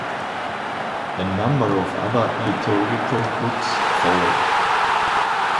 A number of other liturgical books followed.